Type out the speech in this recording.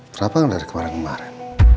kenapa gak dari kemarin kemarin